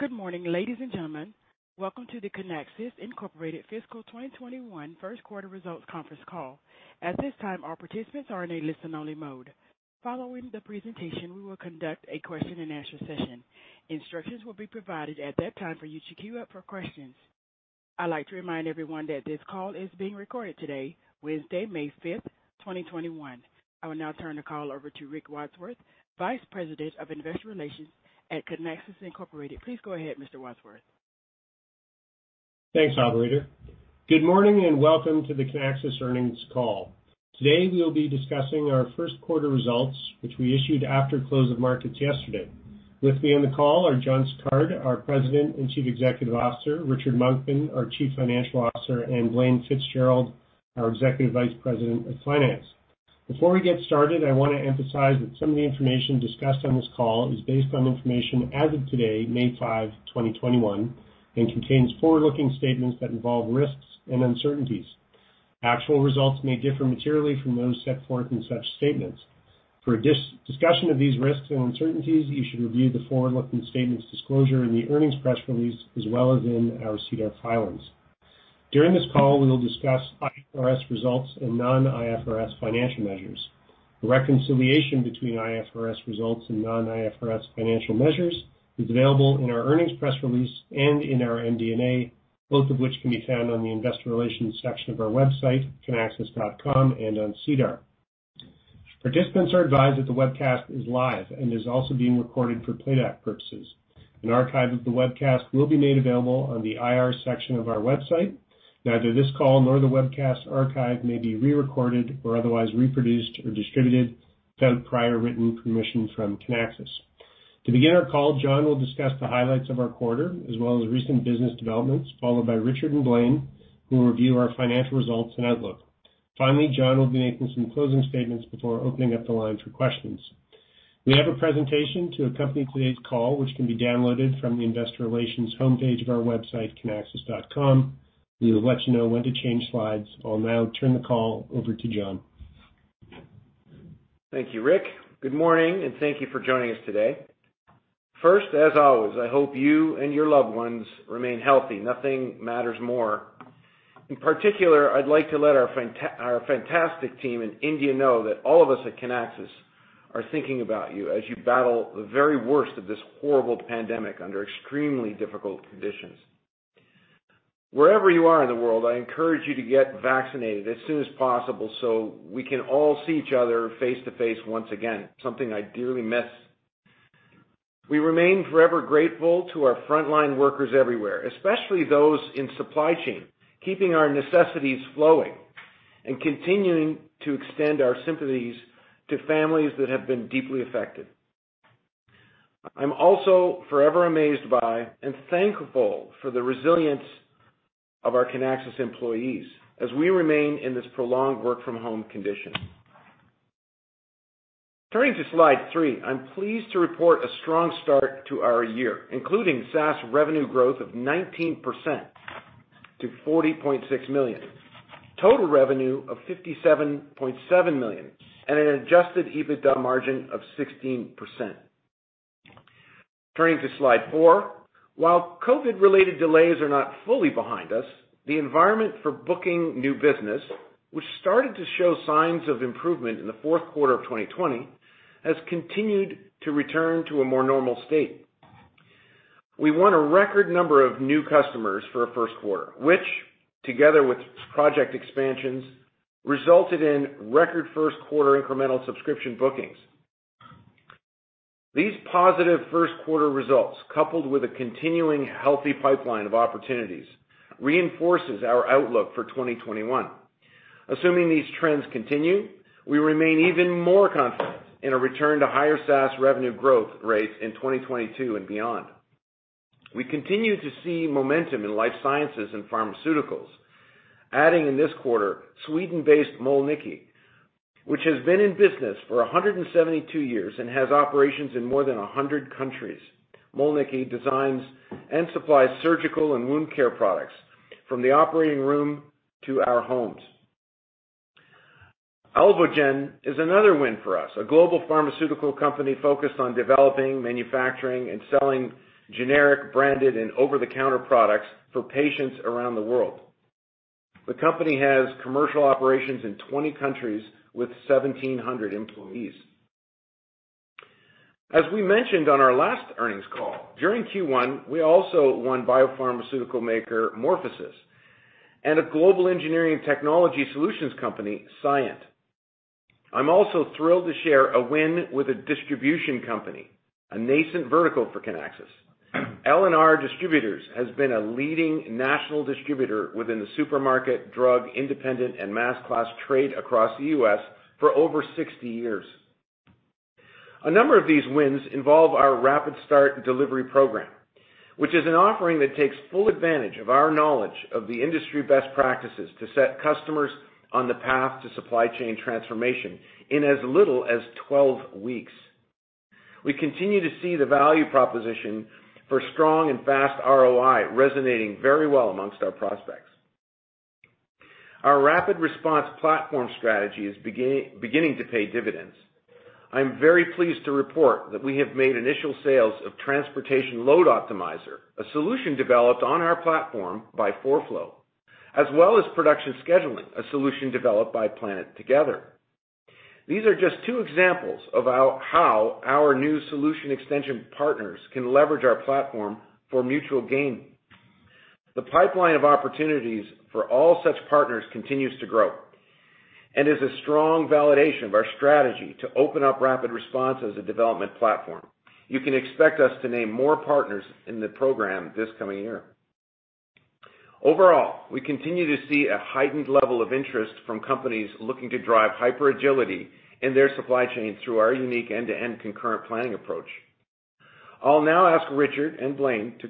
Good morning, ladies and gentlemen. Welcome to the Kinaxis Inc. Fiscal 2021 First Quarter Results Conference Call. At this time, all participants are in a listen-only mode. Following the presentation, we will conduct a question and answer session. Instructions will be provided at that time for you to queue up for questions. I'd like to remind everyone that this call is being recorded today, Wednesday, May 5th, 2021. I will now turn the call over to Rick Wadsworth, Vice President of Investor Relations at Kinaxis Inc. Please go ahead, Mr. Wadsworth. Thanks, operator. Good morning, and welcome to the Kinaxis earnings call. Today we will be discussing our first quarter results, which we issued after close of markets yesterday. With me on the call are John Sicard, our President and Chief Executive Officer, Richard Monkman, our Chief Financial Officer, and Blaine Fitzgerald, our Executive Vice President of Finance. Before we get started, I wanna emphasize that some of the information discussed on this call is based on information as of today, May 5, 2021, and contains forward-looking statements that involve risks and uncertainties. Actual results may differ materially from those set forth in such statements. For discussion of these risks and uncertainties, you should review the forward-looking statements disclosure in the earnings press release, as well as in our SEDAR filings. During this call, we will discuss IFRS results and non-IFRS financial measures. The reconciliation between IFRS results and non-IFRS financial measures is available in our earnings press release and in our MD&A, both of which can be found on the investor relations section of our website, kinaxis.com, and on SEDAR. Participants are advised that the webcast is live and is also being recorded for playback purposes. An archive of the webcast will be made available on the IR section of our website. Neither this call nor the webcast archive may be re-recorded or otherwise reproduced or distributed without prior written permission from Kinaxis. To begin our call, John will discuss the highlights of our quarter, as well as recent business developments, followed by Richard and Blaine, who will review our financial results and outlook. Finally, John will be making some closing statements before opening up the line for questions. We have a presentation to accompany today's call, which can be downloaded from the Investor Relations homepage of our website, kinaxis.com. We will let you know when to change slides. I'll now turn the call over to John. Thank you, Rick. Good morning, and thank you for joining us today. First, as always, I hope you and your loved ones remain healthy. Nothing matters more. In particular, I'd like to let our fantastic team in India know that all of us at Kinaxis are thinking about you as you battle the very worst of this horrible pandemic under extremely difficult conditions. Wherever you are in the world, I encourage you to get vaccinated as soon as possible so we can all see each other face-to-face once again, something I dearly miss. We remain forever grateful to our frontline workers everywhere, especially those in supply chain, keeping our necessities flowing and continuing to extend our sympathies to families that have been deeply affected. I'm also forever amazed by and thankful for the resilience of our Kinaxis employees as we remain in this prolonged work-from-home condition. Turning to slide three. I'm pleased to report a strong start to our year, including SaaS revenue growth of 19% to $40.6 million, total revenue of $57.7 million, and an adjusted EBITDA margin of 16%. Turning to slide four. While COVID-related delays are not fully behind us, the environment for booking new business, which started to show signs of improvement in the fourth quarter of 2020, has continued to return to a more normal state. We won a record number of new customers for a first quarter, which, together with project expansions, resulted in record first quarter incremental subscription bookings. These positive first quarter results, coupled with a continuing healthy pipeline of opportunities, reinforces our outlook for 2021. Assuming these trends continue, we remain even more confident in a return to higher SaaS revenue growth rates in 2022 and beyond. We continue to see momentum in life sciences and pharmaceuticals, adding in this quarter Sweden-based Mölnlycke, which has been in business for 172 years and has operations in more than 100 countries. Mölnlycke designs and supplies surgical and wound care products from the operating room to our homes. Alvogen is another win for us, a global pharmaceutical company focused on developing, manufacturing, and selling generic, branded, and over-the-counter products for patients around the world. The company has commercial operations in 20 countries with 1,700 employees. As we mentioned on our last earnings call, during Q1, we also won biopharmaceutical maker MorphoSys and a global engineering and technology solutions company, Cyient. I'm also thrilled to share a win with a distribution company, a nascent vertical for Kinaxis. L&R Distributors has been a leading national distributor within the supermarket, drug, independent, and mass class trade across the U.S. for over 60 years. A number of these wins involve our RapidStart delivery program, which is an offering that takes full advantage of our knowledge of the industry best practices to set customers on the path to supply chain transformation in as little as 12 weeks. We continue to see the value proposition for strong and fast ROI resonating very well amongst our prospects. Our RapidResponse platform strategy is beginning to pay dividends. I'm very pleased to report that we have made initial sales of Transportation Load Optimizer, a solution developed on our platform by 4flow, as well as Production Scheduling, a solution developed by PlanetTogether. These are just two examples of how our new solution extension partners can leverage our platform for mutual gain. The pipeline of opportunities for all such partners continues to grow. Is a strong validation of our strategy to open up RapidResponse as a development platform. You can expect us to name more partners in the program this coming year. Overall, we continue to see a heightened level of interest from companies looking to drive hyper-agility in their supply chain through our unique end-to-end concurrent planning approach. I'll now ask Richard and Blaine to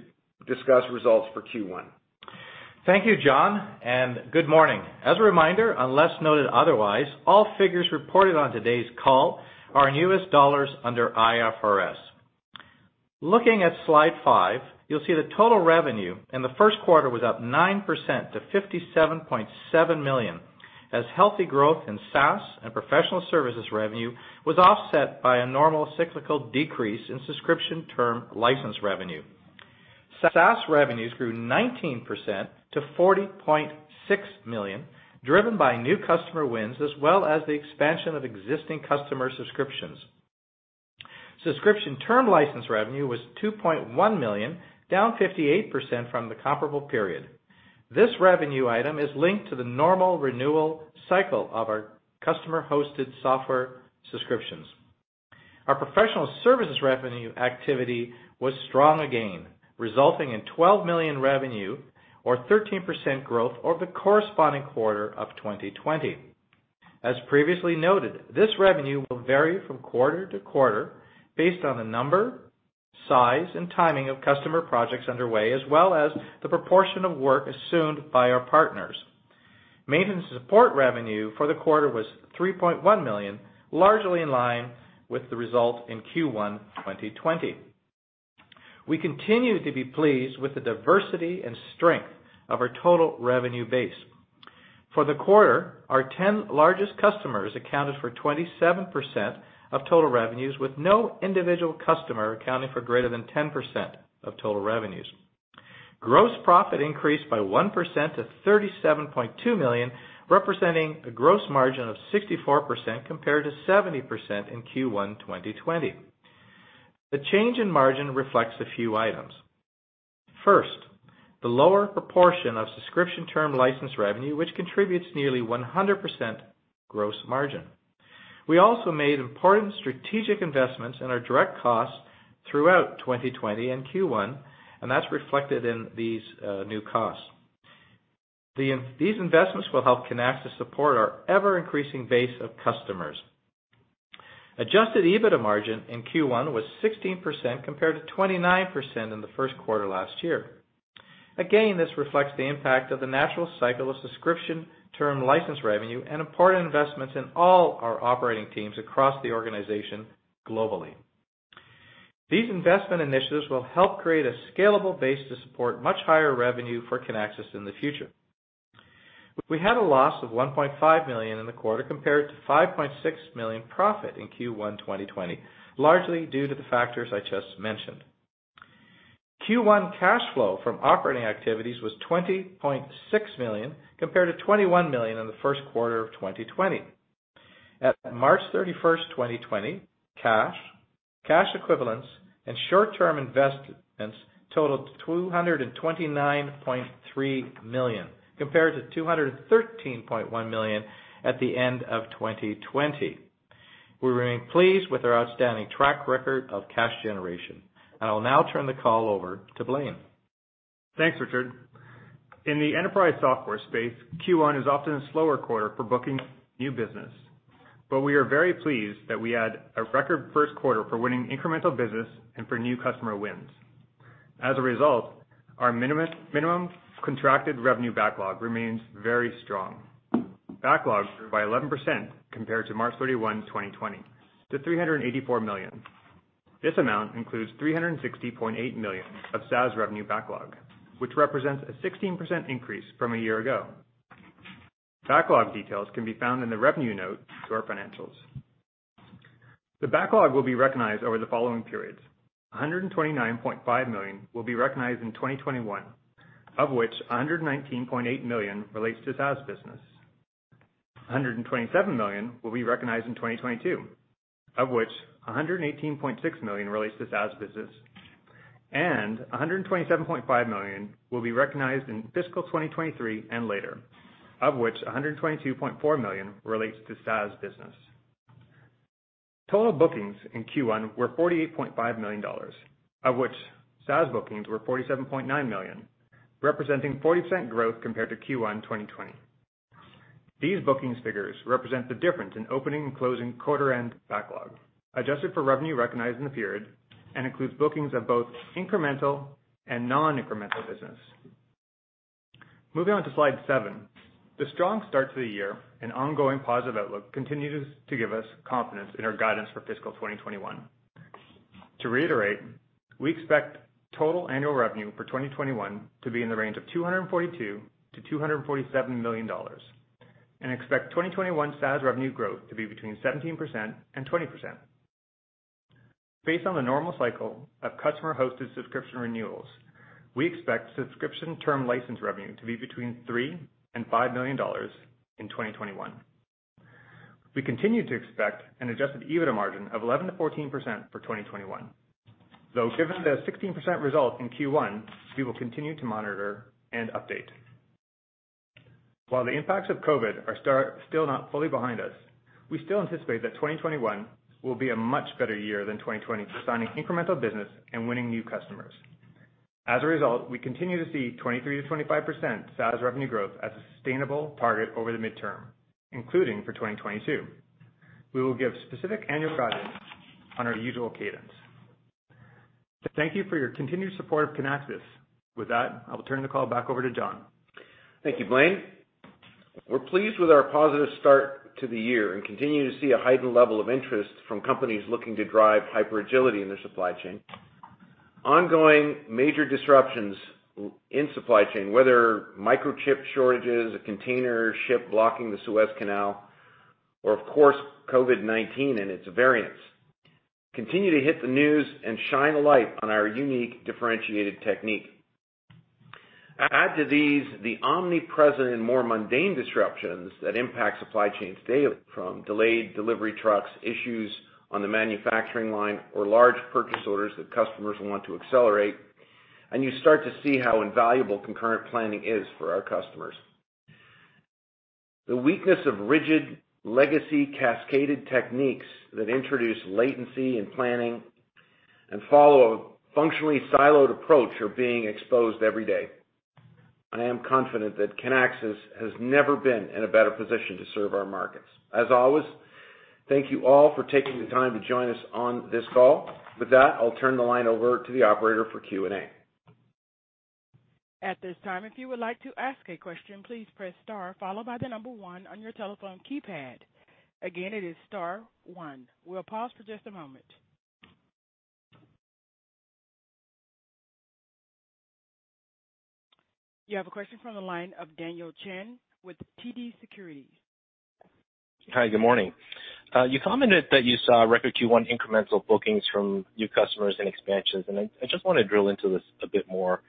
discuss results for Q1. Thank you, John, and good morning. As a reminder, unless noted otherwise, all figures reported on today's call are in U.S. dollars under IFRS. Looking at slide five, you'll see the total revenue in the first quarter was up 9% to $57.7 million, as healthy growth in SaaS and professional services revenue was offset by a normal cyclical decrease in subscription term license revenue. SaaS revenues grew 19% to $40.6 million, driven by new customer wins, as well as the expansion of existing customer subscriptions. Subscription term license revenue was $2.1 million, down 58% from the comparable period. This revenue item is linked to the normal renewal cycle of our customer-hosted software subscriptions. Our professional services revenue activity was strong again, resulting in $12 million revenue or 13% growth over the corresponding quarter of 2020. As previously noted, this revenue will vary from quarter to quarter based on the number, size, and timing of customer projects underway, as well as the proportion of work assumed by our partners. Maintenance and support revenue for the quarter was $3.1 million, largely in line with the result in Q1 2020. We continue to be pleased with the diversity and strength of our total revenue base. For the quarter, our 10 largest customers accounted for 27% of total revenues, with no individual customer accounting for greater than 10% of total revenues. Gross profit increased by 1% to $37.2 million, representing a gross margin of 64% compared to 70% in Q1 2020. The change in margin reflects a few items. First, the lower proportion of subscription term license revenue, which contributes nearly 100% gross margin. We also made important strategic investments in our direct costs throughout 2020 and Q1, and that's reflected in these new costs. These investments will help Kinaxis support our ever-increasing base of customers. Adjusted EBITDA margin in Q1 was 16% compared to 29% in the first quarter last year. Again, this reflects the impact of the natural cycle of subscription term license revenue and important investments in all our operating teams across the organization globally. These investment initiatives will help create a scalable base to support much higher revenue for Kinaxis in the future. We had a loss of $1.5 million in the quarter compared to $5.6 million profit in Q1 2020, largely due to the factors I just mentioned. Q1 cash flow from operating activities was $20.6 million, compared to $21 million in the first quarter of 2020. At March 31st, 2020, cash equivalents, and short-term investments totaled $229.3 million, compared to $213.1 million at the end of 2020. We remain pleased with our outstanding track record of cash generation. I will now turn the call over to Blaine. Thanks, Richard. In the enterprise software space, Q1 is often a slower quarter for booking new business. We are very pleased that we had a record first quarter for winning incremental business and for new customer wins. As a result, our minimum contracted revenue backlog remains very strong. Backlog grew by 11% compared to March 31, 2020, to $384 million. This amount includes $360.8 million of SaaS revenue backlog, which represents a 16% increase from a year ago. Backlog details can be found in the revenue note to our financials. The backlog will be recognized over the following periods. $129.5 million will be recognized in 2021, of which $119.8 million relates to SaaS business. $127 million will be recognized in 2022, of which $118.6 million relates to SaaS business. $127.5 million will be recognized in fiscal 2023 and later, of which $122.4 million relates to SaaS business. Total bookings in Q1 were $48.5 million, of which SaaS bookings were $47.9 million, representing 40% growth compared to Q1 2020. These bookings figures represent the difference in opening and closing quarter-end backlog, adjusted for revenue recognized in the period, and includes bookings of both incremental and non-incremental business. Moving on to slide seven. The strong start to the year and ongoing positive outlook continues to give us confidence in our guidance for fiscal 2021. To reiterate, we expect total annual revenue for 2021 to be in the range of $242 million-$247 million, and expect 2021 SaaS revenue growth to be between 17%-20%. Based on the normal cycle of customer-hosted subscription renewals, we expect subscription term license revenue to be between $3 million-$5 million in 2021. We continue to expect an adjusted EBITDA margin of 11%-14% for 2021, though given the 16% result in Q1, we will continue to monitor and update. While the impacts of COVID are still not fully behind us, we still anticipate that 2021 will be a much better year than 2020 for signing incremental business and winning new customers. As a result, we continue to see 23%-25% SaaS revenue growth as a sustainable target over the midterm, including for 2022. We will give specific annual guidance on our usual cadence. Thank you for your continued support of Kinaxis. With that, I will turn the call back over to John. Thank you, Blaine. We're pleased with our positive start to the year and continue to see a heightened level of interest from companies looking to drive hyper-agility in their supply chain. Ongoing major disruptions in supply chain, whether microchip shortages, a container ship blocking the Suez Canal, or of course, COVID-19 and its variants, continue to hit the news and shine a light on our unique differentiated technique. Add to these the omnipresent and more mundane disruptions that impact supply chains daily, from delayed delivery trucks, issues on the manufacturing line, or large purchase orders that customers want to accelerate, and you start to see how invaluable concurrent planning is for our customers. The weakness of rigid legacy cascaded techniques that introduce latency in planning and follow a functionally siloed approach are being exposed every day, and I am confident that Kinaxis has never been in a better position to serve our markets. As always, thank you all for taking the time to join us on this call. With that, I'll turn the line over to the operator for Q&A. At this time, if you would like to ask a question, please press star followed by the number 1 on your telephone keypad. Again, it is star one. We'll pause for just a moment. You have a question from the line of Daniel Chan with TD Securities. Hi, good morning. You commented that you saw record Q1 incremental bookings from new customers and expansions, and I just want to drill into this a bit more.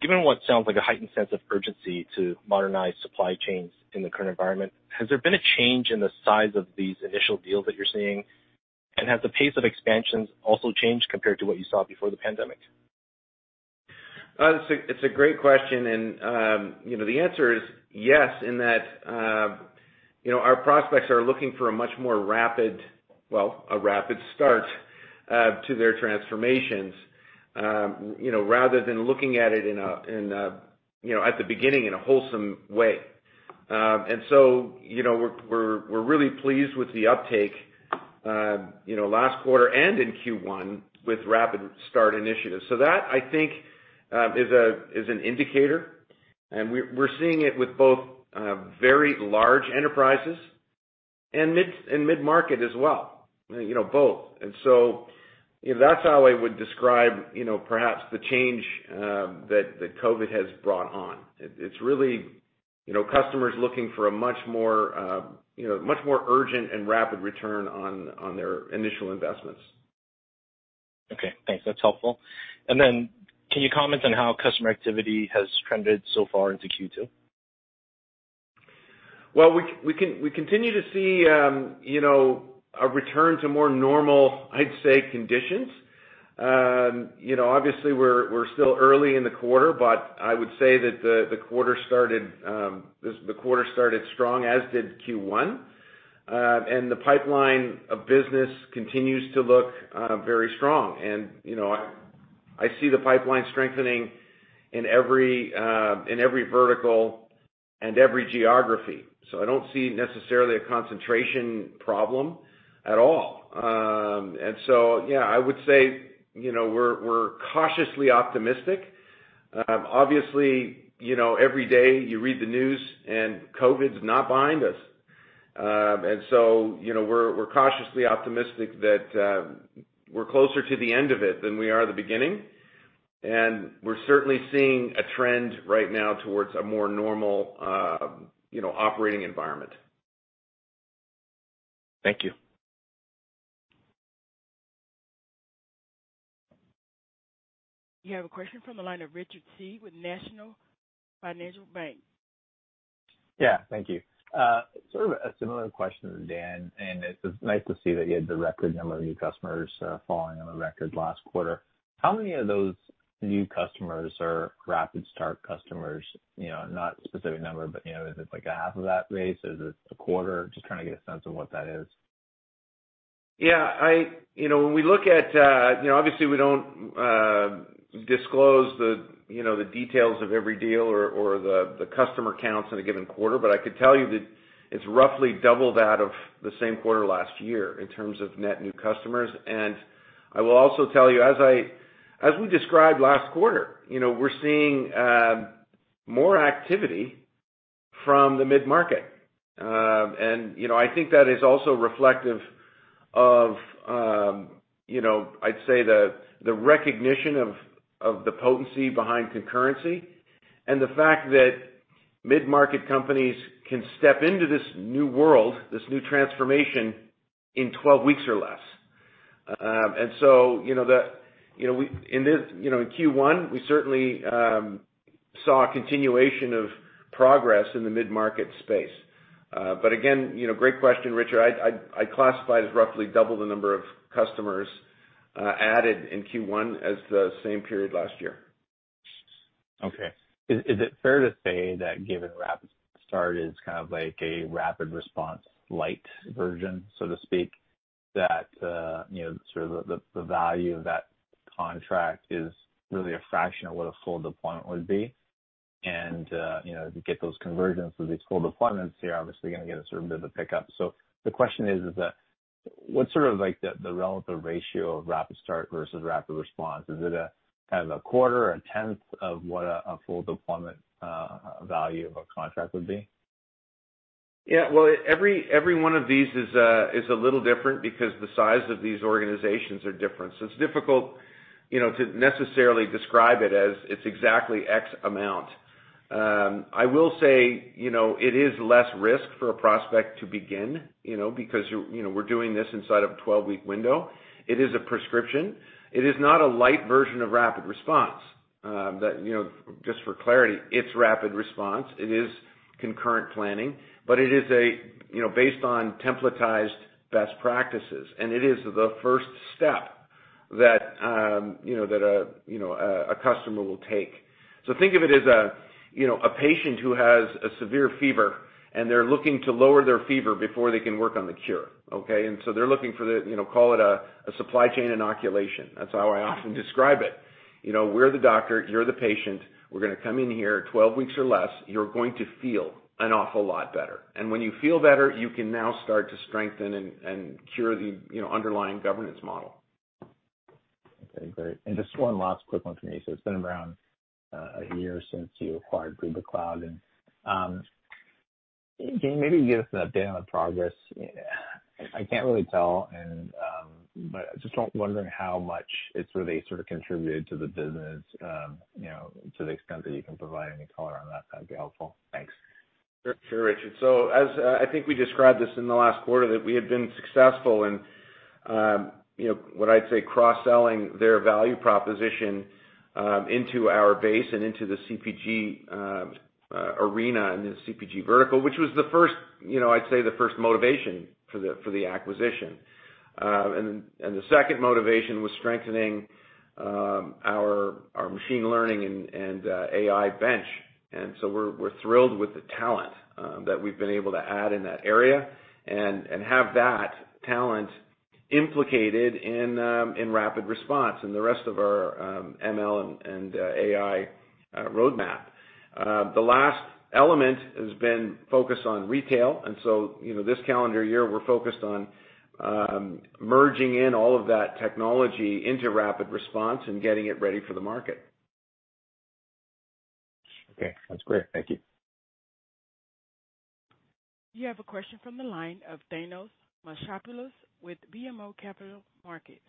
Given what sounds like a heightened sense of urgency to modernize supply chains in the current environment, has there been a change in the size of these initial deals that you're seeing, and has the pace of expansions also changed compared to what you saw before the pandemic? It's a great question and the answer is yes, in that our prospects are looking for a much more RapidStart to their transformations, rather than looking at it at the beginning in a wholesome way. We're really pleased with the uptake last quarter and in Q1 with RapidStart initiatives. That I think is an indicator, and we're seeing it with both very large enterprises and mid-market as well, both. That's how I would describe perhaps the change that COVID has brought on. It's really customers looking for a much more urgent and rapid return on their initial investments. Okay, thanks. That's helpful. Can you comment on how customer activity has trended so far into Q2? Well, we continue to see a return to more normal, I'd say, conditions. We're still early in the quarter, but I would say that the quarter started strong, as did Q1. The pipeline of business continues to look very strong. I see the pipeline strengthening in every vertical and every geography. I don't see necessarily a concentration problem at all. Yeah, I would say we're cautiously optimistic. Every day you read the news and COVID's not behind us. We're cautiously optimistic that we're closer to the end of it than we are the beginning, and we're certainly seeing a trend right now towards a more normal operating environment. Thank you. You have a question from the line of Richard Tse with National Financial Bank. Yeah, thank you. Sort of a similar question to Dan, it's nice to see that you had the record number of new customers following on the record last quarter. How many of those new customers are RapidStart customers? Not a specific number, is it like a half of that base? Is it a quarter? Just trying to get a sense of what that is. Yeah. Obviously we don't disclose the details of every deal or the customer counts in a given quarter, but I could tell you that it's roughly double that of the same quarter last year in terms of net new customers. I will also tell you, as we described last quarter, we're seeing more activity from the mid-market. I think that is also reflective of, I'd say, the recognition of the potency behind concurrency and the fact that mid-market companies can step into this new world, this new transformation, in 12 weeks or less. In Q1, we certainly saw a continuation of progress in the mid-market space. Again, great question, Richard. I'd classify it as roughly double the number of customers added in Q1 as the same period last year. Is it fair to say that given RapidStart is kind of like a RapidResponse light version, so to speak, that the value of that contract is really a fraction of what a full deployment would be? As you get those conversions with these full deployments, you're obviously going to get a certain bit of a pickup. The question is that what's sort of the relative ratio of RapidStart versus RapidResponse? Is it a quarter or a tenth of what a full deployment value of a contract would be? Yeah. Well, every one of these is a little different because the size of these organizations are different. It's difficult to necessarily describe it as it's exactly X amount. I will say, it is less risk for a prospect to begin, because we're doing this inside of a 12-week window. It is a prescription. It is not a light version of RapidResponse. Just for clarity, it's RapidResponse. It is concurrent planning, but it is based on templatized best practices, and it is the first step that a customer will take. Think of it as a patient who has a severe fever, and they're looking to lower their fever before they can work on the cure, okay? They're looking for the, call it a supply chain inoculation. That's how I often describe it. We're the doctor, you're the patient. We're going to come in here, 12 weeks or less. You're going to feel an awful lot better. When you feel better, you can now start to strengthen and cure the underlying governance model. Okay, great. Just one last quick one for me. It's been around a year since you acquired Rubikloud, and can maybe you give us an update on the progress? I can't really tell, but I'm just wondering how much it's really sort of contributed to the business. To the extent that you can provide any color on that'd be helpful. Thanks. Sure, Richard. As I think we described this in the last quarter, that we had been successful in, what I'd say, cross-selling their value proposition into our base and into the CPG arena and the CPG vertical, which was the first motivation for the acquisition. The second motivation was strengthening our machine learning and AI bench. We're thrilled with the talent that we've been able to add in that area and have that talent implicated in RapidResponse and the rest of our ML and AI roadmap. The last element has been focused on retail. This calendar year, we're focused on merging in all of that technology into RapidResponse and getting it ready for the market. Okay, that's great. Thank you. You have a question from the line of Thanos Moschopoulos with BMO Capital Markets.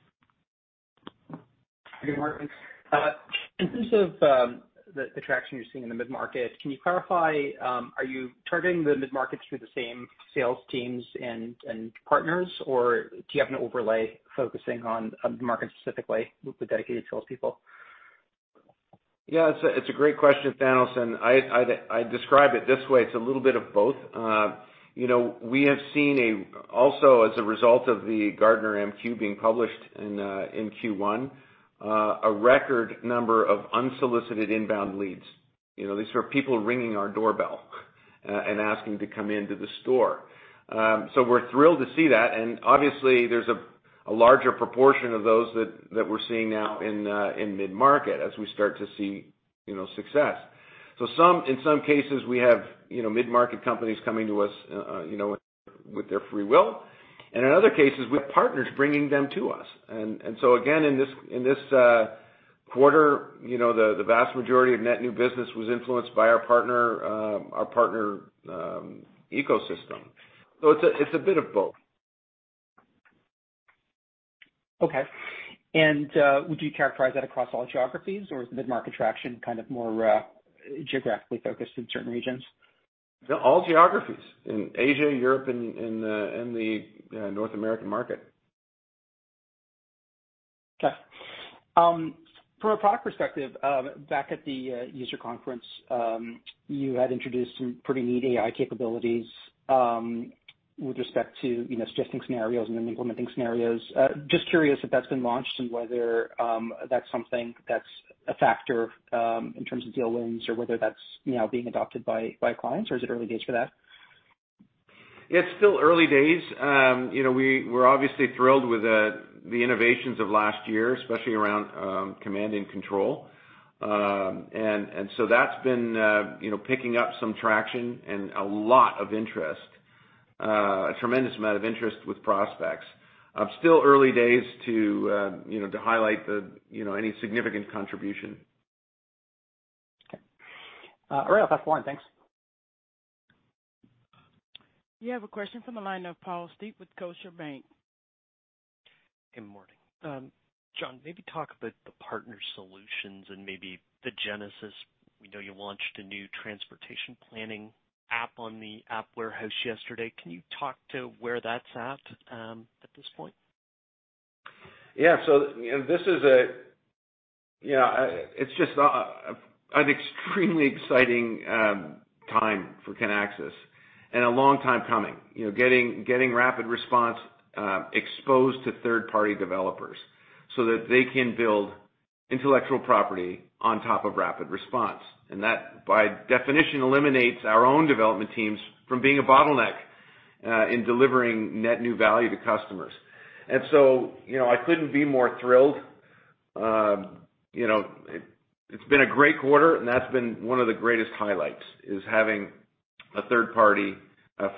Good morning. In terms of the traction you're seeing in the mid-market, can you clarify, are you targeting the mid-markets through the same sales teams and partners, or do you have an overlay focusing on mid-market specifically with dedicated sales people? It's a great question, Thanos, I describe it this way. It's a little bit of both. We have seen also as a result of the Gartner MQ being published in Q1, a record number of unsolicited inbound leads. These are people ringing our doorbell and asking to come into the store. We're thrilled to see that, obviously there's a larger proportion of those that we're seeing now in mid-market as we start to see success. In some cases, we have mid-market companies coming to us with their free will. In other cases, we have partners bringing them to us. Again, in this quarter, the vast majority of net new business was influenced by our partner ecosystem. It's a bit of both. Okay. Would you characterize that across all geographies, or is mid-market traction kind of more geographically focused in certain regions? No, all geographies. In Asia, Europe, and the North American market. From a product perspective, back at the user conference, you had introduced some pretty neat AI capabilities with respect to suggesting scenarios and then implementing scenarios. Just curious if that's been launched and whether that's something that's a factor in terms of deal wins or whether that's now being adopted by clients or is it early days for that? It's still early days. We're obviously thrilled with the innovations of last year, especially around Command & Control Center. That's been picking up some traction and a tremendous amount of interest with prospects. Still early days to highlight any significant contribution. Okay. I'll pass for now. Thanks. You have a question from the line of Paul Steep with Scotiabank. Good morning. John, maybe talk about the partner solutions and maybe the genesis. We know you launched a new transportation planning app on the App Warehouse yesterday. Can you talk to where that's at this point? Yeah. It's just an extremely exciting time for Kinaxis and a long time coming. Getting RapidResponse exposed to third-party developers so that they can build intellectual property on top of RapidResponse. That, by definition, eliminates our own development teams from being a bottleneck in delivering net new value to customers. I couldn't be more thrilled. It's been a great quarter, and that's been one of the greatest highlights, is having a third party,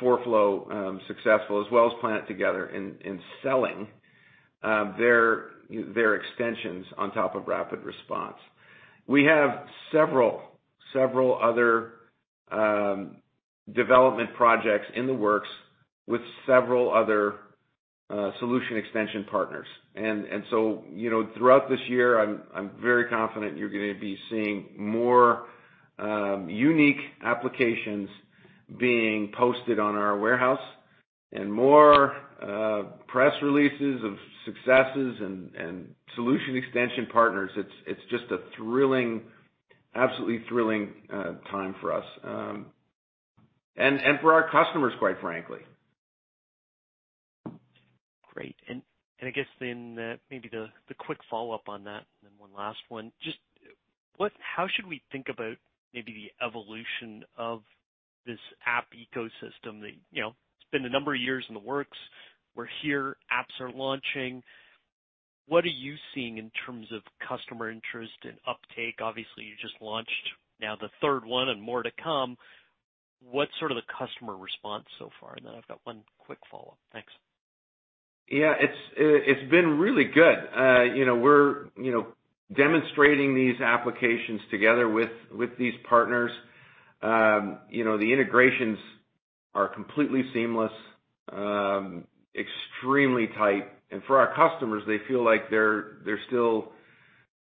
4flow, successful, as well as PlanetTogether, in selling their extensions on top of RapidResponse. We have several other development projects in the works with several other solution extension partners. Throughout this year, I'm very confident you're going to be seeing more unique applications being posted on our warehouse and more press releases of successes and solution extension partners. It's just an absolutely thrilling time for us, and for our customers, quite frankly. Great. I guess then, maybe the quick follow-up on that, one last one. How should we think about maybe the evolution of this app ecosystem that, it's been a number of years in the works. We're here. Apps are launching. What are you seeing in terms of customer interest and uptake? Obviously, you just launched now the third one and more to come. What's sort of the customer response so far? Then I've got one quick follow-up. Thanks. Yeah. It's been really good. We're demonstrating these applications together with these partners. The integrations are completely seamless, extremely tight, and for our customers, they feel like they're still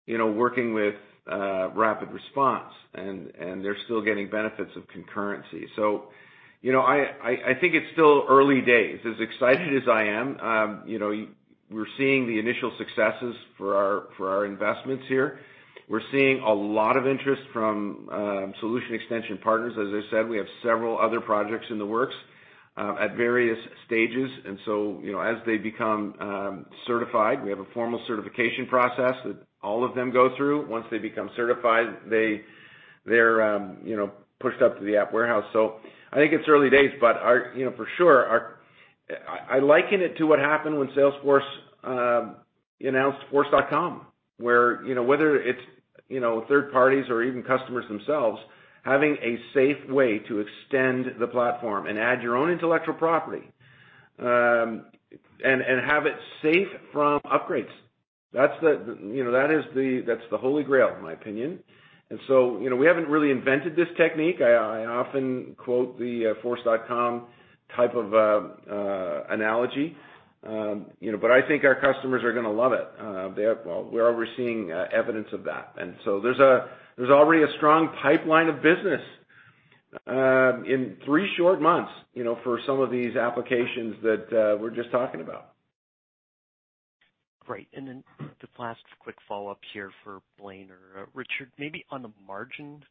working with RapidResponse, and they're still getting benefits of concurrency. I think it's still early days. As excited as I am, we're seeing the initial successes for our investments here. We're seeing a lot of interest from solution extension partners. As I said, we have several other projects in the works at various stages. As they become certified, we have a formal certification process that all of them go through. Once they become certified, they're pushed up to the App Warehouse. I think it's early days, but for sure, I liken it to what happened when Salesforce announced Force.com, where whether it's third parties or even customers themselves, having a safe way to extend the platform and add your own intellectual property, and have it safe from upgrades. That's the holy grail, in my opinion. We haven't really invented this technique. I often quote the Force.com type of analogy. I think our customers are going to love it. We're already seeing evidence of that. There's already a strong pipeline of business in three short months for some of these applications that we're just talking about. Great. The last quick follow-up here for Blaine or Richard, maybe on the margin.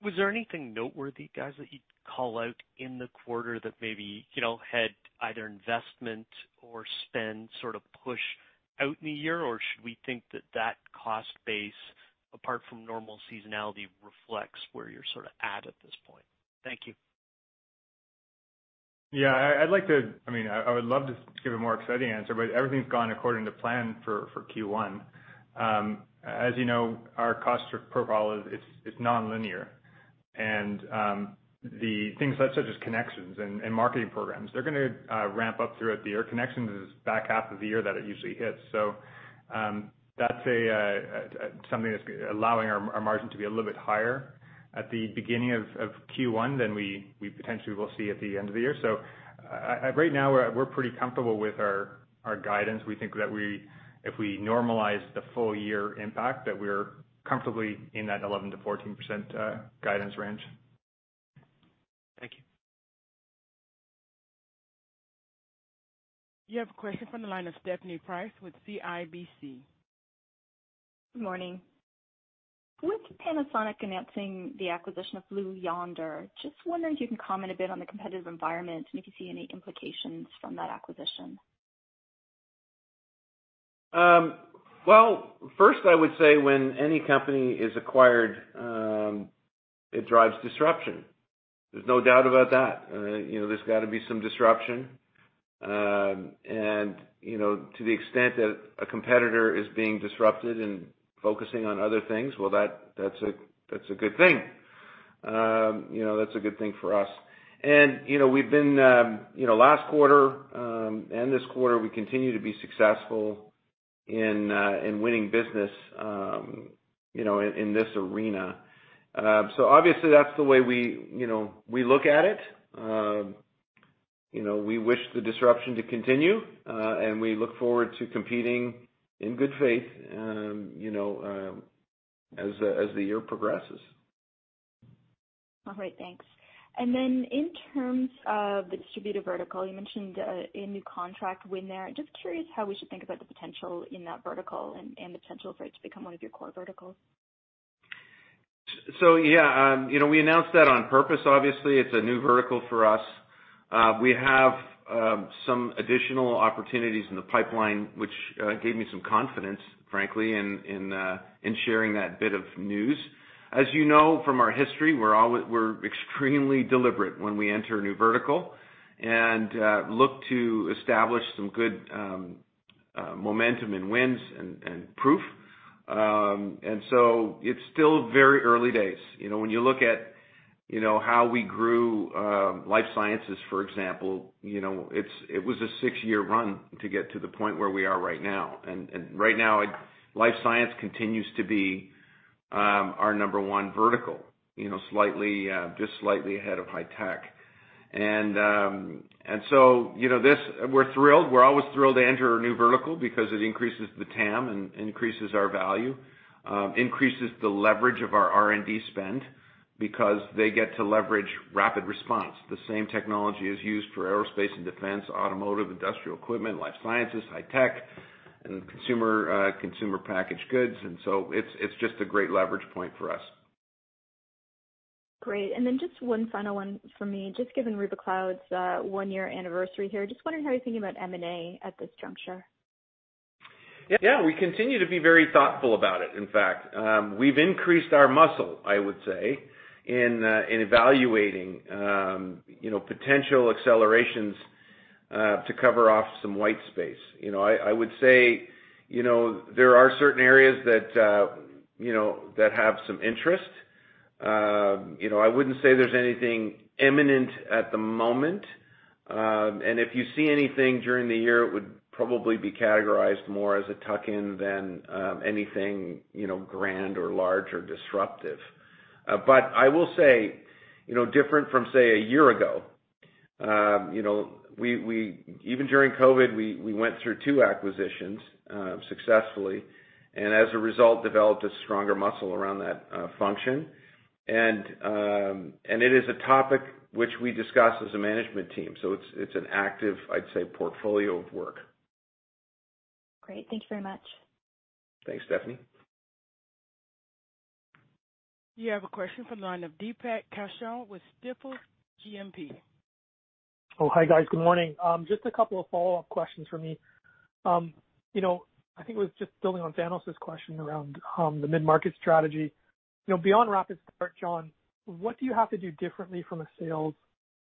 Was there anything noteworthy, guys, that you'd call out in the quarter that maybe had either investment or spend sort of push out in a year? Should we think that that cost base, apart from normal seasonality, reflects where you're sort of at this point? Thank you. I would love to give a more exciting answer, but everything's gone according to plan for Q1. As you know, our cost profile is non-linear. The things such as Kinexions and marketing programs, they're going to ramp up throughout the year. Kinexions is back half of the year that it usually hits. That's something that's allowing our margin to be a little bit higher at the beginning of Q1 than we potentially will see at the end of the year. Right now, we're pretty comfortable with our guidance. We think that if we normalize the full year impact, that we're comfortably in that 11%-14% guidance range. Thank you. You have a question from the line of Stephanie Price with CIBC. Good morning. With Panasonic announcing the acquisition of Blue Yonder, just wondering if you can comment a bit on the competitive environment, and if you see any implications from that acquisition. Well, first I would say when any company is acquired, it drives disruption. There's no doubt about that. There's got to be some disruption. To the extent that a competitor is being disrupted and focusing on other things, well, that's a good thing. That's a good thing for us. Last quarter and this quarter, we continue to be successful in winning business in this arena. Obviously that's the way we look at it. We wish the disruption to continue, and we look forward to competing in good faith as the year progresses. All right, thanks. In terms of the distributor vertical, you mentioned a new contract win there. Just curious how we should think about the potential in that vertical and the potential for it to become one of your core verticals. Yeah. We announced that on purpose, obviously. It's a new vertical for us. We have some additional opportunities in the pipeline, which gave me some confidence, frankly, in sharing that bit of news. As you know from our history, we're extremely deliberate when we enter a new vertical and look to establish some good momentum and wins and proof. It's still very early days. When you look at how we grew life sciences, for example, it was a six-year run to get to the point where we are right now. Right now, life science continues to be our number 1 vertical. Just slightly ahead of high tech. We're always thrilled to enter a new vertical because it increases the TAM and increases our value, increases the leverage of our R&D spend because they get to leverage RapidResponse. The same technology is used for aerospace and defense, automotive, industrial equipment, life sciences, high tech, and consumer packaged goods. It's just a great leverage point for us. Great. Just one final one from me. Just given Rubikloud's one-year anniversary here, just wondering how you're thinking about M&A at this juncture. Yeah, we continue to be very thoughtful about it, in fact. We've increased our muscle, I would say, in evaluating potential accelerations to cover off some white space. I would say there are certain areas that have some interest. I wouldn't say there's anything imminent at the moment. If you see anything during the year, it would probably be categorized more as a tuck-in than anything grand or large or disruptive. I will say different from, say, a year ago. Even during COVID, we went through two acquisitions successfully, and as a result, developed a stronger muscle around that function. It is a topic which we discuss as a management team. It's an active, I'd say, portfolio of work. Great. Thank you very much. Thanks, Stephanie. You have a question from the line of Deepak Kaushal with Stifel GMP. Oh, hi, guys. Good morning. Just a couple of follow-up questions from me. I think it was just building on Thanos' question around the mid-market strategy. Beyond RapidStart, John, what do you have to do differently from a sales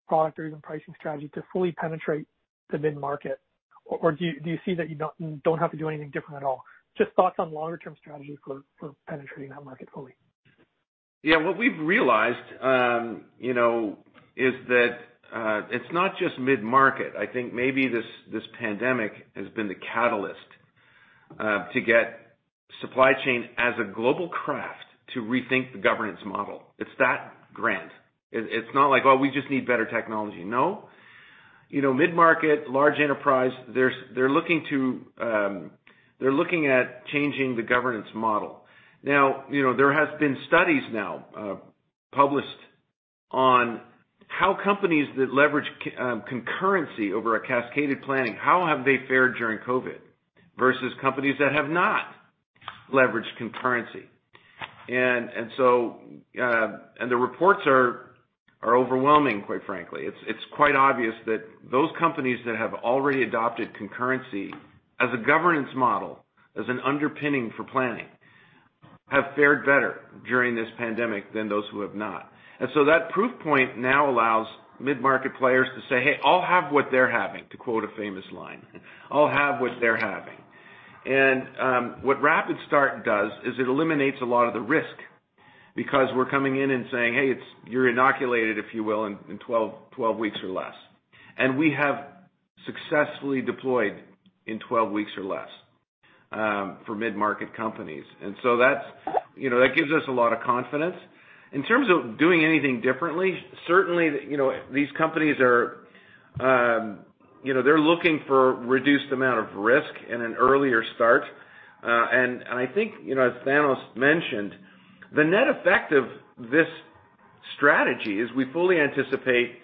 product or even pricing strategy to fully penetrate the mid-market? Do you see that you don't have to do anything different at all? Just thoughts on longer-term strategies for penetrating that market fully. Yeah. What we've realized is that it's not just mid-market. I think maybe this pandemic has been the catalyst to get supply chain as a global craft to rethink the governance model. It's that grand. It's not like, "Oh, we just need better technology." No. Mid-market, large enterprise, they're looking at changing the governance model. There has been studies now published on how companies that leverage concurrency over a cascaded planning, how have they fared during COVID versus companies that have not leveraged concurrency. The reports are overwhelming, quite frankly. It's quite obvious that those companies that have already adopted concurrency as a governance model, as an underpinning for planning, have fared better during this pandemic than those who have not. That proof point now allows mid-market players to say, Hey, I'll have what they're having, to quote a famous line. I'll have what they're having. What RapidStart does is it eliminates a lot of the risk because we're coming in and saying, Hey, you're inoculated, if you will, in 12 weeks or less. We have successfully deployed in 12 weeks or less for mid-market companies. That gives us a lot of confidence. In terms of doing anything differently, certainly, these companies, they're looking for reduced amount of risk and an earlier start. I think as Thanos mentioned, the net effect of this strategy is we fully anticipate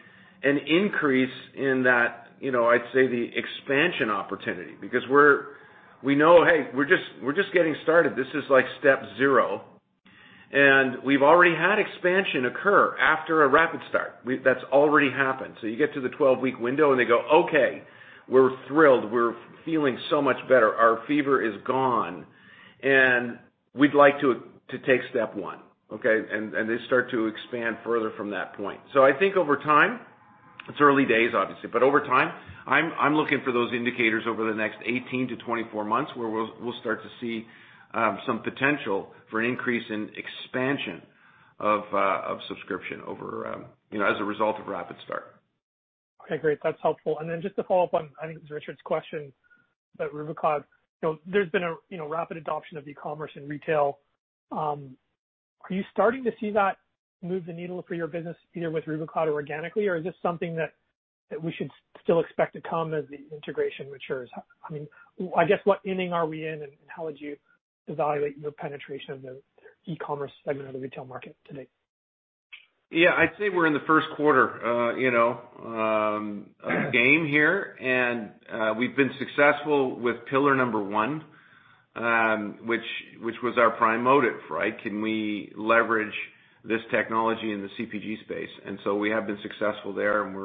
an increase in that, I'd say the expansion opportunity, because we know, hey, we're just getting started. This is like step zero. We've already had expansion occur after a RapidStart. That's already happened. You get to the 12-week window, and they go, Okay, we're thrilled. We're feeling so much better. Our fever is gone, and we'd like to take step one. Okay. They start to expand further from that point. I think over time, it's early days, obviously, but over time, I'm looking for those indicators over the next 18-24 months, where we'll start to see some potential for an increase in expansion of subscription as a result of RapidStart. Okay, great. That's helpful. Just to follow up on, I think it was Richard's question about Rubikloud. There's been a rapid adoption of e-commerce in retail. Are you starting to see that move the needle for your business, either with Rubikloud or organically? Is this something that we should still expect to come as the integration matures? I guess, what inning are we in, and how would you evaluate your penetration of the e-commerce segment of the retail market today? I'd say we're in the first quarter of the game here, and we've been successful with pillar number one, which was our prime motive, right? Can we leverage this technology in the CPG space? We have been successful there, and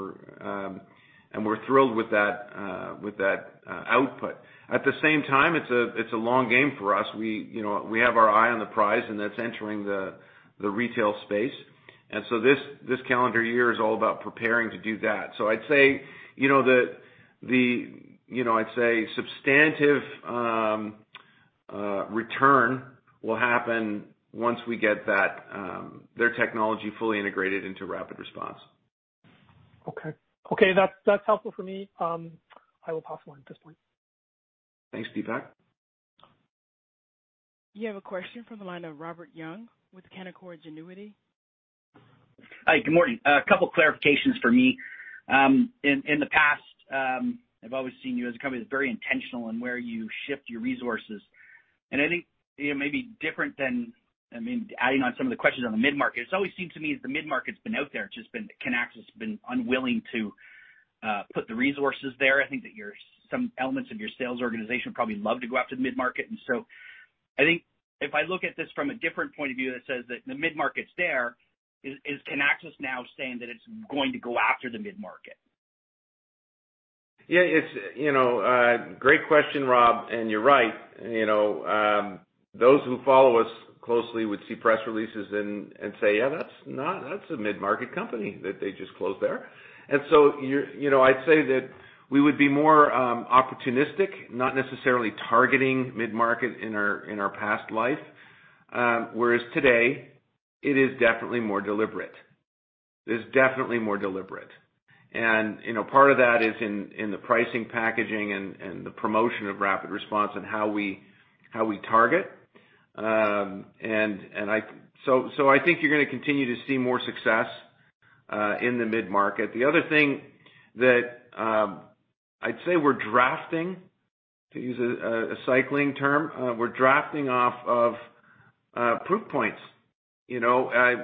we're thrilled with that output. At the same time, it's a long game for us. We have our eye on the prize, and that's entering the retail space. This calendar year is all about preparing to do that. I'd say substantive return will happen once we get their technology fully integrated into RapidResponse. Okay. That's helpful for me. I will pause the line at this point. Thanks, Deepak. You have a question from the line of Robert Young with Canaccord Genuity. Hi, good morning. A couple clarifications for me. In the past, I've always seen you as a company that's very intentional in where you shift your resources. I think, maybe different than, adding on some of the questions on the mid-market, it's always seemed to me as the mid-market's been out there, just Kinaxis has been unwilling to put the resources there. I think that some elements of your sales organization would probably love to go after the mid-market. I think if I look at this from a different point of view that says that the mid-market's there, is Kinaxis now saying that it's going to go after the mid-market? Yeah. Great question, Rob, you're right. Those who follow us closely would see press releases and say, Yeah, that's a mid-market company that they just closed there. I'd say that we would be more opportunistic, not necessarily targeting mid-market in our past life. Whereas today, it is definitely more deliberate. It is definitely more deliberate. Part of that is in the pricing, packaging, and the promotion of RapidResponse and how we target. I think you're gonna continue to see more success in the mid-market. The other thing that I'd say we're drafting, to use a cycling term, we're drafting off of proof points. We're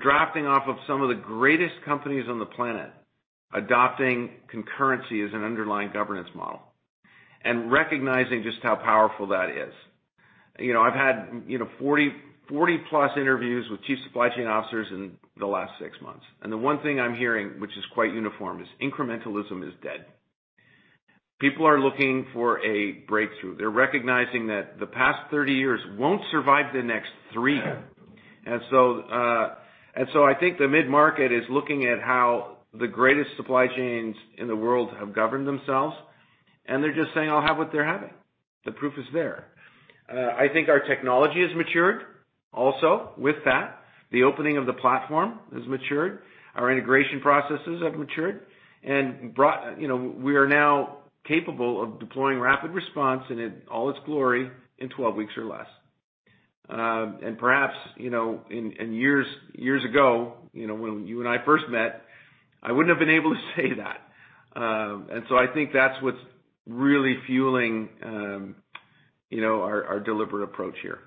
drafting off of some of the greatest companies on the planet adopting concurrency as an underlying governance model and recognizing just how powerful that is. I've had 40-plus interviews with chief supply chain officers in the last six months. The one thing I'm hearing, which is quite uniform, is incrementalism is dead. People are looking for a breakthrough. They're recognizing that the past 30 years won't survive the next three. I think the mid-market is looking at how the greatest supply chains in the world have governed themselves, and they're just saying, I'll have what they're having. The proof is there. I think our technology has matured also with that. The opening of the platform has matured. Our integration processes have matured and we are now capable of deploying RapidResponse in all its glory in 12 weeks or less. Perhaps, years ago, when you and I first met, I wouldn't have been able to say that. I think that's what's really fueling our deliberate approach here.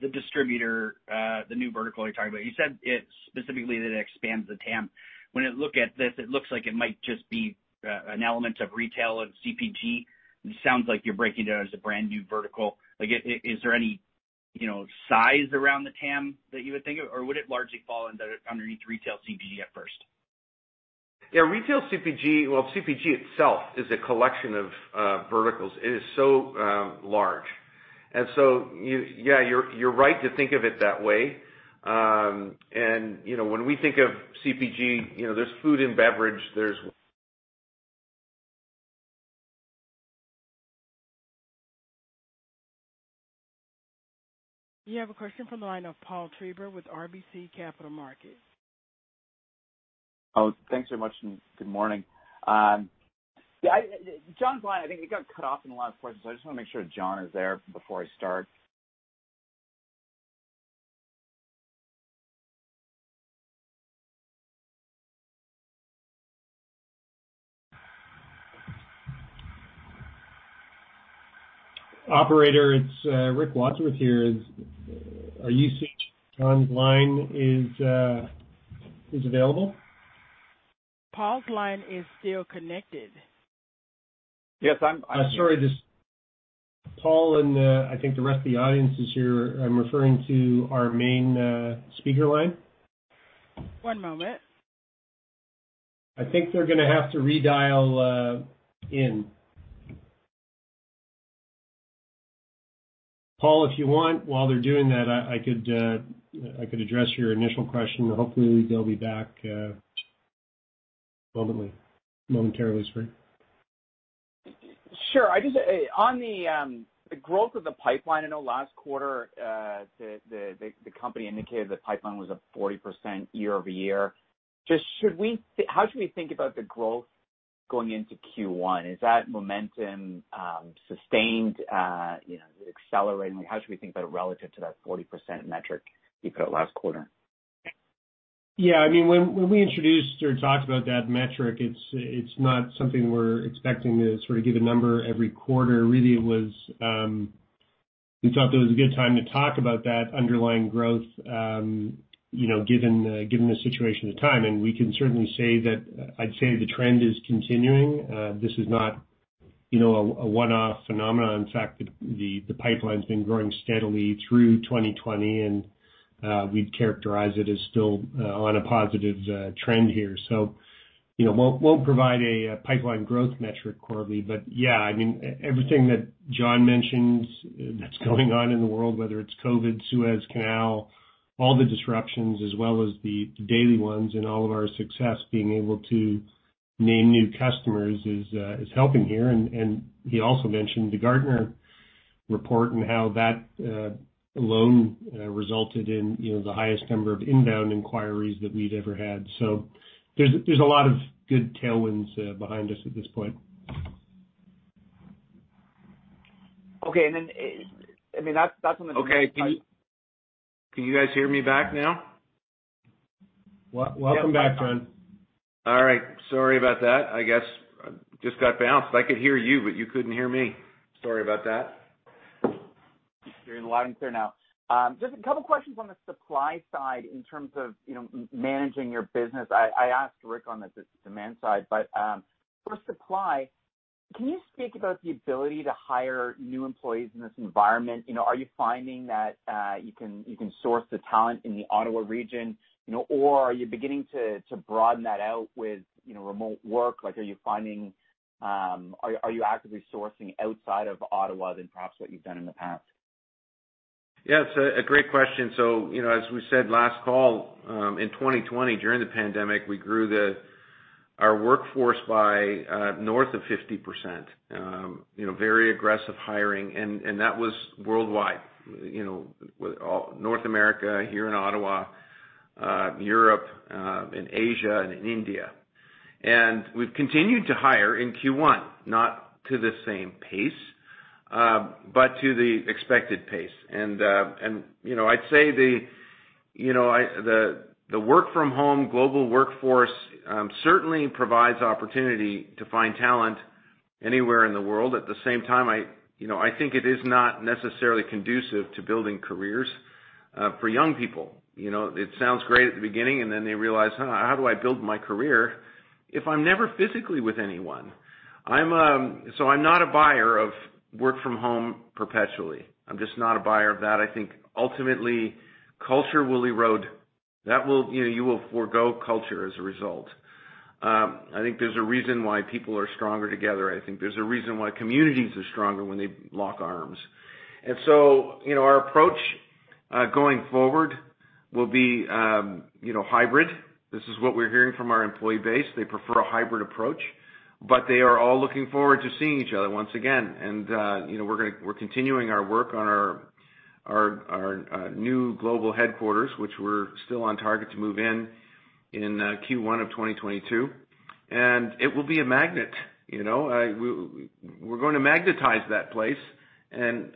The distributor, the new vertical you're talking about. You said specifically that it expands the TAM. When I look at this, it looks like it might just be an element of retail and CPG. It sounds like you're breaking it out as a brand new vertical. Is there any size around the TAM that you would think of, or would it largely fall underneath retail CPG at first? Yeah. Retail CPG Well, CPG itself is a collection of verticals. It is so large. yeah, you're right to think of it that way. when we think of CPG, there's food and beverage, there's- You have a question from the line of Paul Treiber with RBC Capital Markets. Oh, thanks very much, and good morning. John's line, I think it got cut off in the last part. I just want to make sure John is there before I start. Operator, it's Rick Wadsworth here. Are you seeing if John's line is available? Paul's line is still connected. Yes, I'm here. Sorry, Paul, and I think the rest of the audience is here, I'm referring to our main speaker line. One moment. I think they're gonna have to redial in. Paul, if you want, while they're doing that, I could address your initial question. Hopefully they'll be back momentarily, Spring. Sure. On the growth of the pipeline, I know last quarter, the company indicated the pipeline was up 40% year-over-year. How should we think about the growth going into Q1? Is that momentum sustained, accelerating? How should we think about it relative to that 40% metric you put out last quarter? Yeah. When we introduced or talked about that metric, it's not something we're expecting to give a number every quarter. Really, we thought that was a good time to talk about that underlying growth, given the situation and the timing. We can certainly say that, I'd say the trend is continuing. This is not a one-off phenomenon. In fact, the pipeline's been growing steadily through 2020, and we'd characterize it as still on a positive trend here. Won't provide a pipeline growth metric quarterly, but yeah. Everything that John mentions that's going on in the world, whether it's COVID, Suez Canal, all the disruptions, as well as the daily ones, and all of our success being able to name new customers is helping here. He also mentioned the Gartner report and how that alone resulted in the highest number of inbound inquiries that we've ever had. There's a lot of good tailwinds behind us at this point. Okay. Okay. Can you guys hear me back now? Welcome back, friend. All right. Sorry about that. I guess I just got bounced. I could hear you, but you couldn't hear me. Sorry about that. Hearing loud and clear now. Just a couple questions on the supply side in terms of managing your business. I asked Rick on the demand side, but for supply, can you speak about the ability to hire new employees in this environment? Are you finding that you can source the talent in the Ottawa region? Or are you beginning to broaden that out with remote work? Are you actively sourcing outside of Ottawa than perhaps what you've done in the past? Yeah, it's a great question. As we said last call, in 2020, during the pandemic, we grew our workforce by north of 50%. Very aggressive hiring, that was worldwide, North America, here in Ottawa, Europe, in Asia, and in India. We've continued to hire in Q1, not to the same pace, but to the expected pace. I'd say the work-from-home global workforce certainly provides opportunity to find talent anywhere in the world. At the same time, I think it is not necessarily conducive to building careers for young people. It sounds great at the beginning, and then they realize, "Huh, how do I build my career if I'm never physically with anyone?" I'm not a buyer of work from home perpetually. I'm just not a buyer of that. I think ultimately, culture will erode. You will forego culture as a result. I think there's a reason why people are stronger together. I think there's a reason why communities are stronger when they lock arms. Our approach going forward will be hybrid. This is what we're hearing from our employee base. They prefer a hybrid approach, but they are all looking forward to seeing each other once again. We're continuing our work on our new global headquarters, which we're still on target to move in in Q1 of 2022. It will be a magnet. We're going to magnetize that place, and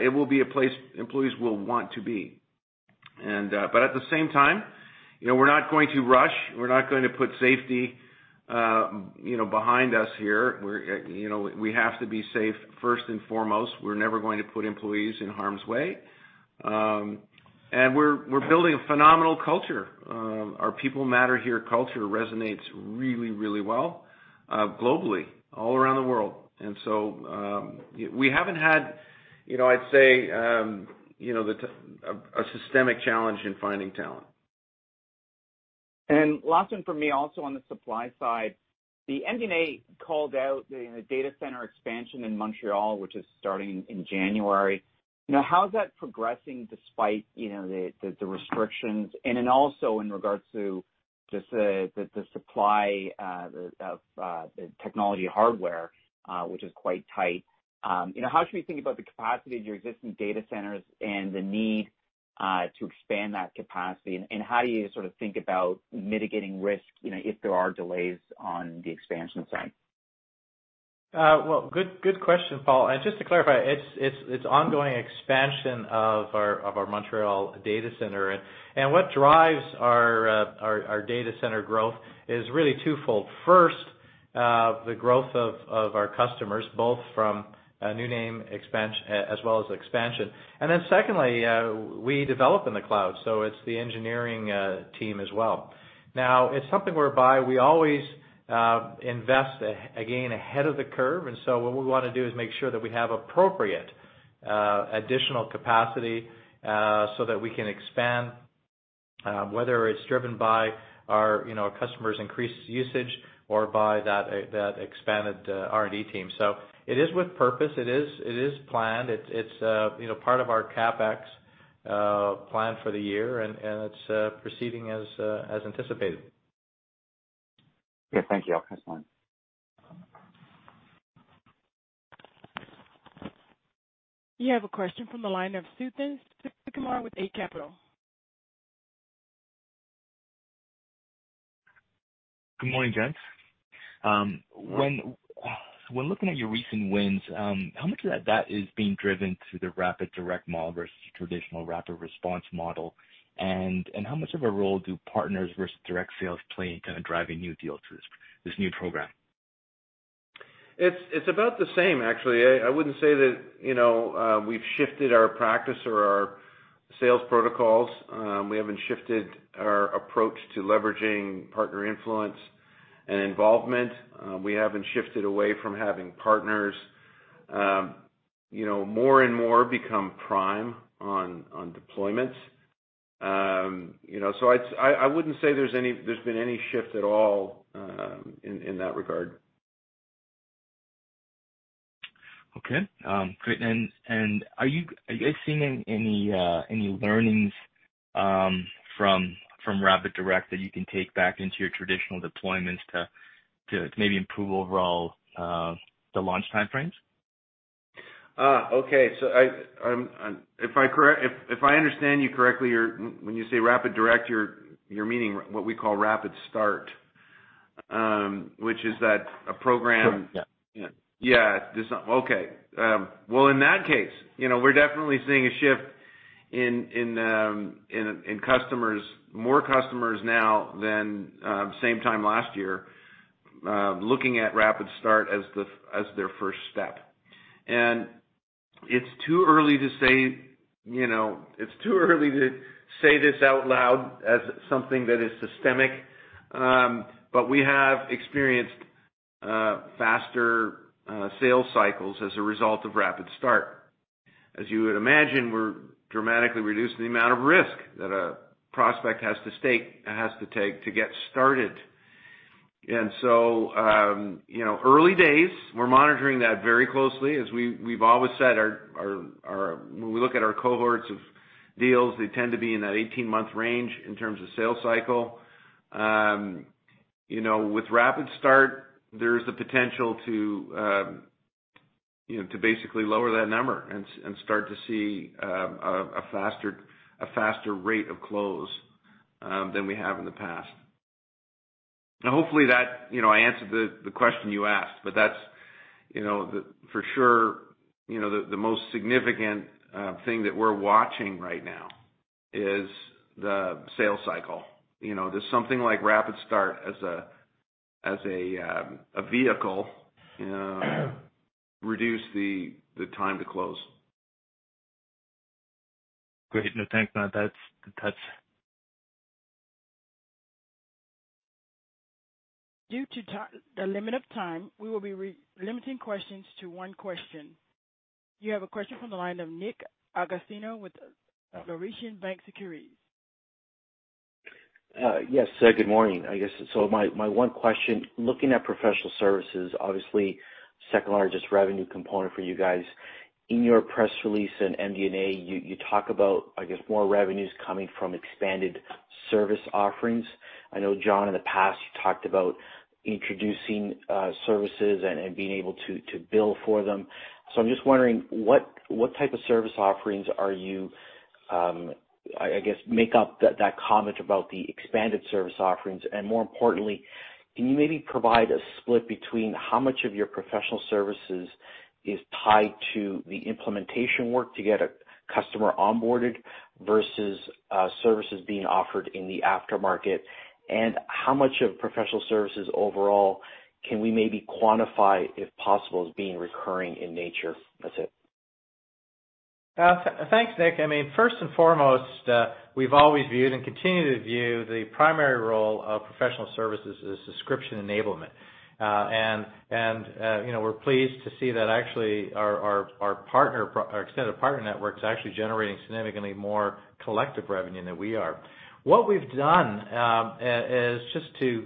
it will be a place employees will want to be. At the same time, we're not going to rush. We're not going to put safety behind us here. We have to be safe first and foremost. We're never going to put employees in harm's way. We're building a phenomenal culture. Our people matter here culture resonates really well globally, all around the world. We haven't had, I'd say, a systemic challenge in finding talent. Last one from me, also on the supply side. The MD&A called out the data center expansion in Montreal, which is starting in January. How is that progressing despite the restrictions? Then also in regards to just the supply of the technology hardware, which is quite tight. How should we think about the capacity of your existing data centers and the need to expand that capacity, and how do you think about mitigating risk if there are delays on the expansion side? Well, good question, Paul. Just to clarify, it's ongoing expansion of our Montreal data center. What drives our data center growth is really twofold. First, the growth of our customers, both from a new name expansion as well as expansion. Secondly, we develop in the cloud, so it's the engineering team as well. It's something whereby we always invest, again, ahead of the curve, what we want to do is make sure that we have appropriate additional capacity so that we can expand Whether it's driven by our customers' increased usage or by that expanded R&D team. It is with purpose, it is planned. It's part of our CapEx plan for the year, and it's proceeding as anticipated. Okay, thank you. I'll pass the line. You have a question from the line of Suthan Sukumar with Eight Capital. Good morning, gents. Good morning. When looking at your recent wins, how much of that is being driven through the RapidDirect model versus traditional RapidResponse model, and how much of a role do partners versus direct sales play in kind of driving new deals to this new program? It's about the same, actually. I wouldn't say that we've shifted our practice or our sales protocols. We haven't shifted our approach to leveraging partner influence and involvement. We haven't shifted away from having partners more and more become prime on deployments. I wouldn't say there's been any shift at all in that regard. Okay, great. Are you guys seeing any learnings from RapidStart that you can take back into your traditional deployments to maybe improve overall the launch time frames? Okay. If I understand you correctly, when you say RapidStart, you're meaning what we call RapidStart, which is that a program? Sure, yeah. Okay. Well, in that case, we're definitely seeing a shift in more customers now than same time last year, looking at RapidStart as their first step. It's too early to say this out loud as something that is systemic, but we have experienced faster sales cycles as a result of RapidStart. As you would imagine, we're dramatically reducing the amount of risk that a prospect has to take to get started. Early days, we're monitoring that very closely. As we've always said, when we look at our cohorts of deals, they tend to be in that 18-month range in terms of sales cycle. With RapidStart, there's the potential to basically lower that number and start to see a faster rate of close than we have in the past. Hopefully, I answered the question you asked, but that's for sure the most significant thing that we're watching right now is the sales cycle. Does something like RapidStart as a vehicle reduce the time to close? Great. No, thanks. Due to the limit of time, we will be limiting questions to one question. You have a question from the line of Nick Agostino with Laurentian Bank Securities. Yes, good morning. I guess, my one question, looking at professional services, obviously second largest revenue component for you guys. In your press release in MD&A, you talk about, I guess, more revenues coming from expanded service offerings. I know, John, in the past, you talked about introducing services and being able to bill for them. I'm just wondering what type of service offerings, I guess, make up that comment about the expanded service offerings, and more importantly, can you maybe provide a split between how much of your professional services is tied to the implementation work to get a customer onboarded versus services being offered in the aftermarket, and how much of professional services overall can we maybe quantify, if possible, as being recurring in nature? That's it. Thanks, Nick. I mean, first and foremost, we've always viewed and continue to view the primary role of professional services as subscription enablement. We're pleased to see that actually our extended partner network's actually generating significantly more collective revenue than we are. What we've done is just to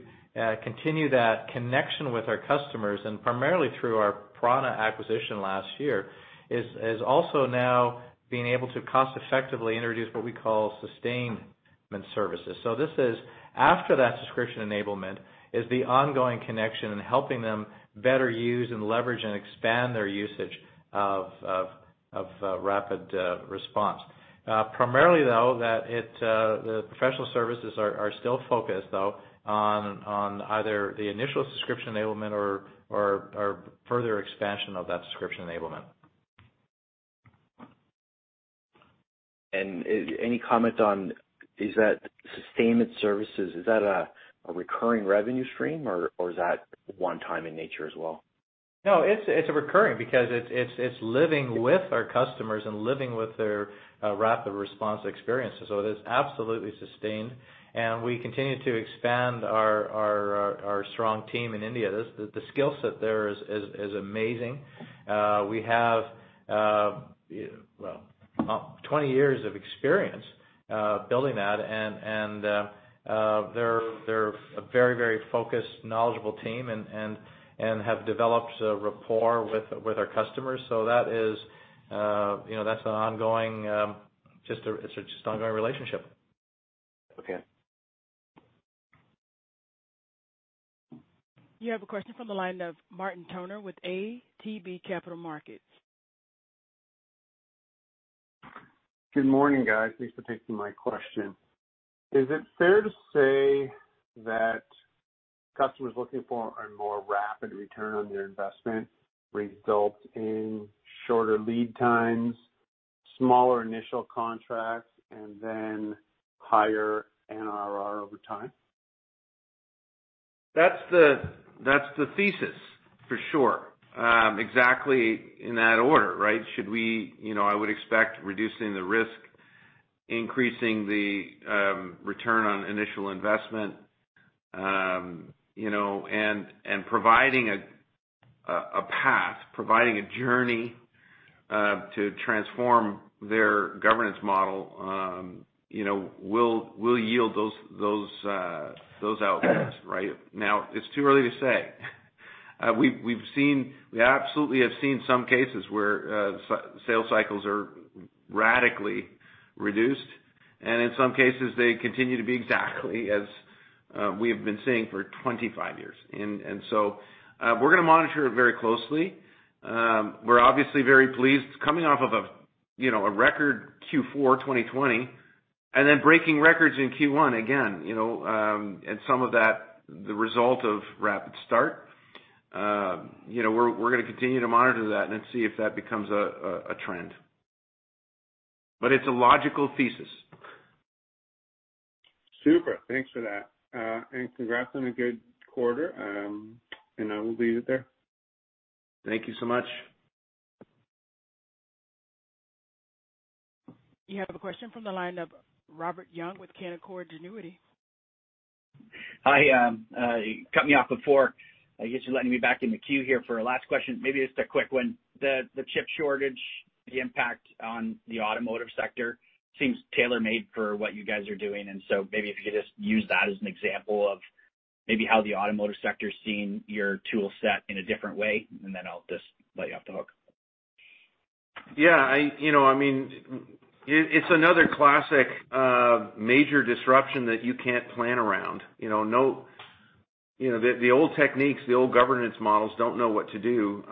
continue that connection with our customers, and primarily through our Prana acquisition last year, is also now being able to cost effectively introduce what we call sustainment services. This is after that subscription enablement is the ongoing connection and helping them better use and leverage and expand their usage of RapidResponse. Primarily, though, the professional services are still focused, though, on either the initial subscription enablement or further expansion of that subscription enablement. Any comment on, is that sustainment services, is that a recurring revenue stream, or is that one time in nature as well? No, it's recurring because it's living with our customers and living with their RapidResponse experiences. It is absolutely sustained. We continue to expand our strong team in India. The skill set there is amazing. We have 20 years of experience building that, and they're a very focused, knowledgeable team and have developed a rapport with our customers. That's an ongoing relationship. Okay. You have a question from the line of Martin Toner with ATB Capital Markets. Good morning, guys. Thanks for taking my question. Is it fair to say that customers looking for a more rapid return on their ROI results in shorter lead times, smaller initial contracts, and then higher NRR over time? That's the thesis for sure. Exactly in that order, right? I would expect reducing the risk, increasing the return on initial investment, and providing a path, providing a journey, to transform their governance model will yield those outcomes, right? Now, it's too early to say. We absolutely have seen some cases where sales cycles are radically reduced, and in some cases, they continue to be exactly as we have been seeing for 25 years. We're going to monitor it very closely. We're obviously very pleased coming off of a record Q4 2020, and then breaking records in Q1 again, and some of that, the result of RapidStart. We're going to continue to monitor that and see if that becomes a trend. It's a logical thesis. Super. Thanks for that. Congrats on a good quarter. I will leave it there. Thank you so much. You have a question from the line of Robert Young with Canaccord Genuity. Hi. You cut me off before. I guess you're letting me back in the queue here for a last question, maybe just a quick one. The chip shortage, the impact on the automotive sector seems tailor-made for what you guys are doing. Maybe if you could just use that as an example of maybe how the automotive sector is seeing your tool set in a different way, then I'll just let you off the hook. Yeah. It's another classic major disruption that you can't plan around. The old techniques, the old governance models, don't know what to do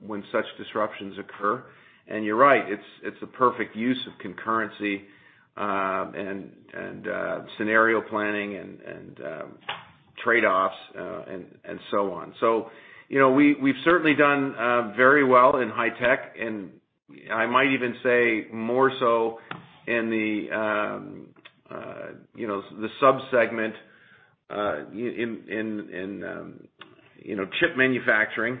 when such disruptions occur. You're right, it's a perfect use of concurrency, and scenario planning, and trade-offs, and so on. We've certainly done very well in high tech, and I might even say more so in the sub-segment in chip manufacturing.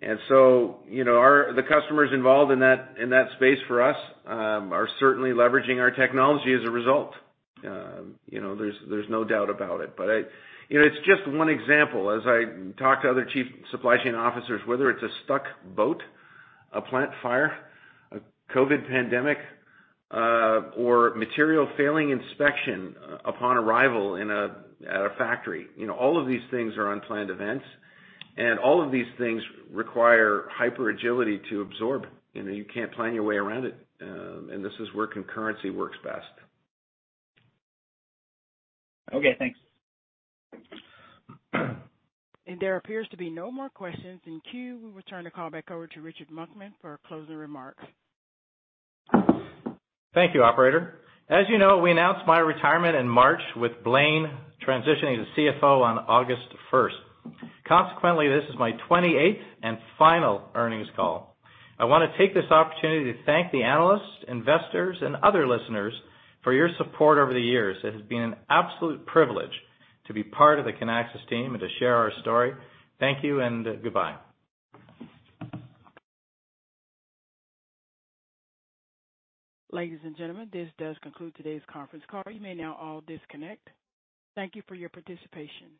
The customers involved in that space for us are certainly leveraging our technology as a result. There's no doubt about it. It's just one example. As I talk to other chief supply chain officers, whether it's a stuck boat, a plant fire, a COVID pandemic, or material failing inspection upon arrival at a factory. All of these things are unplanned events, and all of these things require hyper-agility to absorb. You can't plan your way around it. This is where concurrency works best. Okay, thanks. There appears to be no more questions in queue. We'll return the call back over to Richard Monkman for closing remarks. Thank you, operator. As you know, we announced my retirement in March, with Blaine transitioning to CFO on August 1st. Consequently, this is my 28th and final earnings call. I want to take this opportunity to thank the analysts, investors, and other listeners for your support over the years. It has been an absolute privilege to be part of the Kinaxis team and to share our story. Thank you and goodbye. Ladies and gentlemen, this does conclude today's conference call. You may now all disconnect. Thank you for your participation.